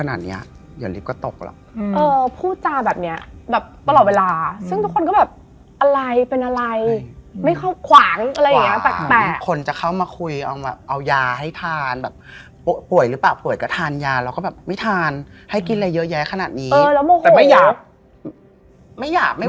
เฮ้ยบ้าใช่ราวตัวเราในกระจกดิ้ม